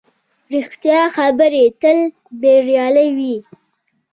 ریښتیا خبرې تل بریالۍ وي